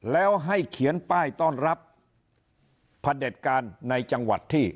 แล้วให้เขียนป้ายต้อนรับพระเด็จการในจังหวัดที่